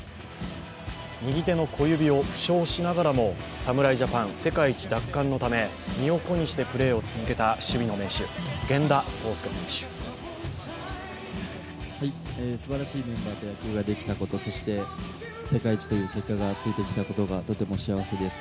右手の小指を負傷しながらも侍ジャパン、世界一奪還のため身を粉にしてプレーしてくれた守備職人すばらしいメンバーを野球ができたことそして世界一という結果がついてきたことがとても幸せです。